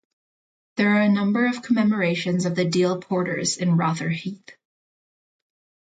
There are a number of commemorations of the deal porters in Rotherhithe.